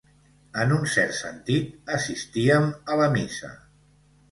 En un cert sentit, assistíem a la missa.